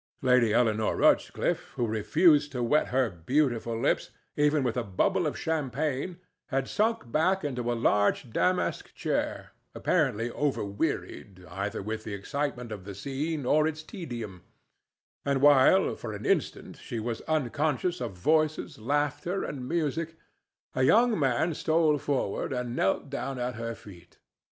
Lady Eleanore Rochcliffe, who refused to wet her beautiful lips even with a bubble of champagne, had sunk back into a large damask chair, apparently overwearied either with the excitement of the scene or its tedium; and while, for an instant, she was unconscious of voices, laughter and music, a young man stole forward and knelt down at her feet.